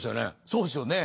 そうですよね。